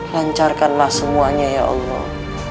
lancarkanlah semuanya ya allah